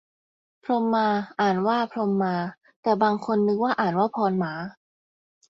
พรหมา อ่านว่าพรม มา แต่บางคนนึกว่าอ่านว่าพอน หมา